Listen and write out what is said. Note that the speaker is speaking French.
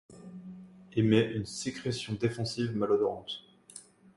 Émet une sécrétion défensive malodorante.